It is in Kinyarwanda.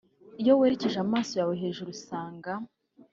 Iyo werekeje amaso yawe hejuru usenga